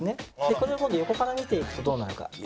これを今度横から見ていくとどうなるか。